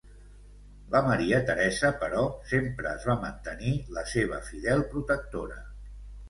La Maria Teresa, però, sempre es va mantenir la seva fidel protectora.